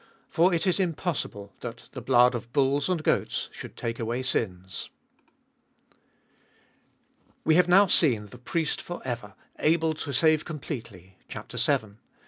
For it is impossible that the blood of bulls and goats should take away sins. WE have now seen the Priest for ever, able to save completely (chap, vii.)